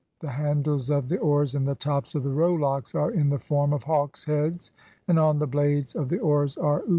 The handles of the oars and the tops of the rowlocks are in the form of hawks' heads, and on the blades of the oars are Utchats.